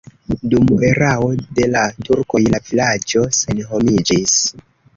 Dum erao de la turkoj la vilaĝo senhomiĝis.